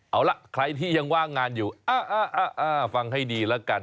เอาล่ะใครที่ยังว่างงานอยู่ฟังให้ดีแล้วกัน